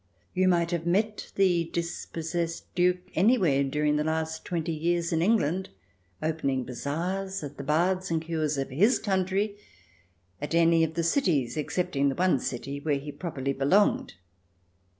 You might have met the dispossessed Duke anywhere during the last twenty years in England, opening bazaars, at the baths and cures of his country, at any of its cities excepting the one city where he properly belonged.